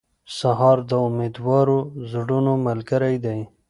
سهار د امیدوارو زړونو ملګری دی.